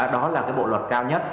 đó là cái bộ luật cao nhất